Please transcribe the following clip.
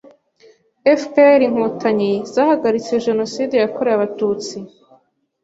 FPR- INKOTANYI zahagaritse jenoside yakorewe abatutsi,